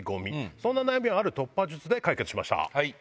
そんな悩みをある突破術で解決しました。